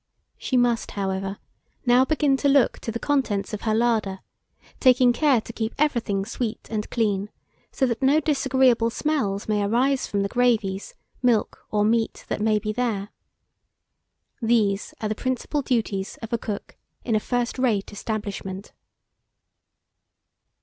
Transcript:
She must, however, now begin to look to the contents of her larder, taking care to keep everything sweet and clean, so that no disagreeable smells may arise from the gravies, milk, or meat that may be there. These are the principal duties of a cook in a first rate establishment.